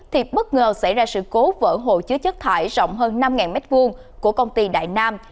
thì bất ngờ xảy ra sự cố vỡ hồ chứa chất thải rộng hơn năm m hai của công ty đại nam